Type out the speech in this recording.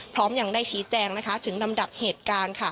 พร้อมยังได้ชี้แจงถึงลำดับเหตุการณ์